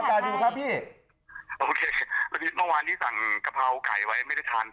อ่าอ่าอ่าอ่าอ่าอ่าอ่าอ่าอ่าอ่าอ่าอ่าอ่าอ่าอ่าอ่าอ่าอ่า